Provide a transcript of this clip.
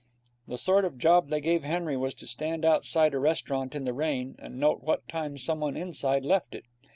The sort of job they gave Henry was to stand outside a restaurant in the rain, and note what time someone inside left it.